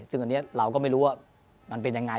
ซึ่งอันนี้เราก็ไม่รู้ว่ามันเป็นยังไง